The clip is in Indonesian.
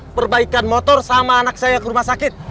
saya mau kembalikan motor sama anak saya ke rumah sakit